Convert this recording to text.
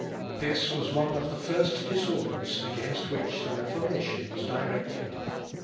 This was one of the first disorders against which the Reformation was directed.